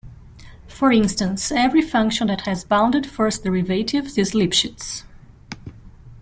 For instance, every function that has bounded first derivatives is Lipschitz.